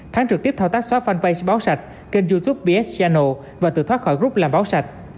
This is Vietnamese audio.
thắng trực tiếp thao tác xóa fanpage báo sạch kênh youtube bs channel và tự thoát khỏi group làm báo sạch